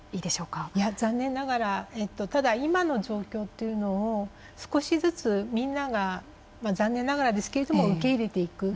いや残念ながらただ今の状況というのを少しずつみんながまあ残念ながらですけれども受け入れていく。